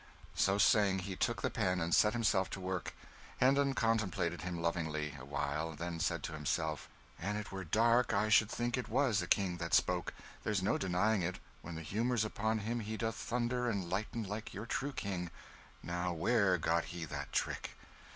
So saying, he took the pen, and set himself to work. Hendon contemplated him lovingly a while, then said to himself "An' it were dark, I should think it was a king that spoke; there's no denying it, when the humour's upon on him he doth thunder and lighten like your true King; now where got he that trick?